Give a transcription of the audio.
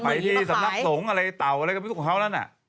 ไปที่สำนักสงส์อะไรเต่าอะไรของเขานั่น